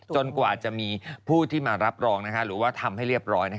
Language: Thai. กว่าจะมีผู้ที่มารับรองหรือว่าทำให้เรียบร้อย